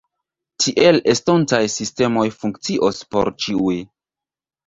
Tiel estontaj sistemoj funkcios por ĉiuj.